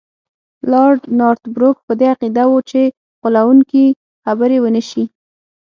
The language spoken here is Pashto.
لارډ نارت بروک په دې عقیده وو چې غولونکي خبرې ونه شي.